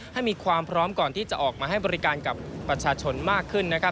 ให้มีความพร้อมก่อนที่จะออกมาให้บริการกับประชาชนมากขึ้นนะครับ